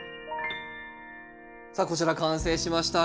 さあこちら完成しました。